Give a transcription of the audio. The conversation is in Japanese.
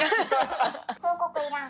報告いらん。